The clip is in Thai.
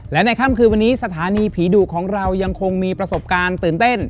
และในค่ำคืนวันนี้สถานีผีดุของเรายังคงมีประสบการณ์ตื่นเต้น